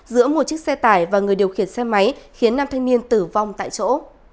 giữa một chiếc xe tải và người điều khiển xe máy khiến năm thanh niên tử vong tại chỗ